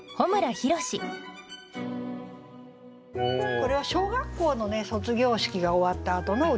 これは小学校の卒業式が終わったあとの歌なんですよね。